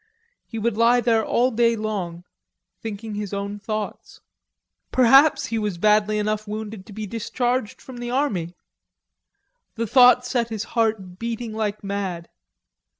He would lie there all day long, thinking his own thoughts. Perhaps he was badly enough wounded to be discharged from the army. The thought set his heart beating like mad.